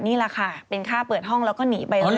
นี่แหละค่ะเป็นค่าเปิดห้องแล้วก็หนีไปเรื่อย